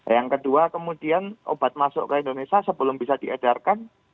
yang kedua kemudian obat masuk ke indonesia sebelum bisa diedarkan